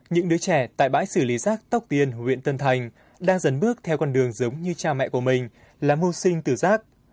những đứa trẻ tại bãi xử lý rác tóc tiên huyện tân thành đang dần bước theo con đường giống như cha mẹ của mình là mưu sinh từ rác